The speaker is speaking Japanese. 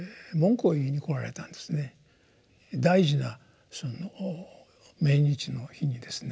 大事な命日の日にですね